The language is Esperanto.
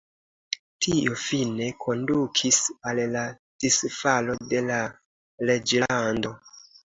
Tio fine kondukis al la disfalo de la reĝlando.